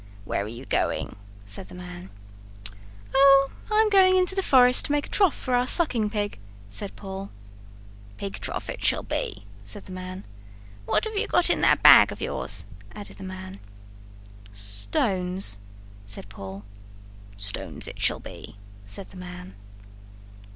"Where are you going?" said the man. "Oh, I am going into the forest to make a trough for our sucking pig," said Paul. "Pig trough it shall be," said the man. "What have you got in that bag of yours?" added the man. "Stones," said Paul. "Stones it shall be," said the man.